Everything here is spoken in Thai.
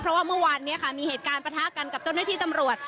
เพราะว่าเมื่อวานนี้ค่ะมีเหตุการณ์ประทะกันกับเจ้าหน้าที่ตำรวจ